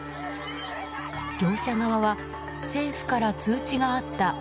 業者側は政府から通知があった。